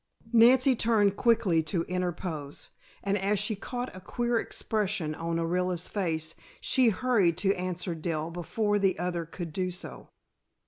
Nancy turned quickly to interpose, and as she caught a queer expression on Orilla's face she hurried to answer Dell before the other could do so.